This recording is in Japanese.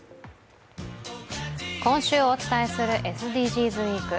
今週お伝えするＳＤＧｓウィーク。